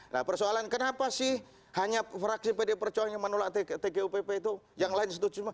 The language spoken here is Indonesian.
nah persoalan kenapa sih hanya fraksi pd perjuangan yang menolak tgupp itu yang lain setuju